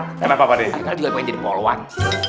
emang apa apa d haikal juga pengen jadi polwan